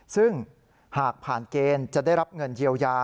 ซึ่งหากผ่านเกณฑ์จะได้รับเงินเยียวยา